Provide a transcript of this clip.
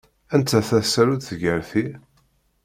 Anta tasarut gar ti?